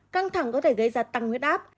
căng thẳng có thể gây ra tăng nguyết áp